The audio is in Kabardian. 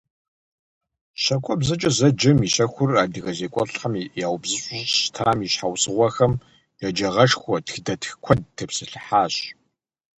«ЩакӀуэбзэкӀэ» зэджэм и щэхур адыгэ зекӀуэлӀхэм яубзыщӀу щӀыщытам и щхьэусыгъуэхэм, еджагъэшхуэ тхыдэтх куэд тепсэлъыхьащ.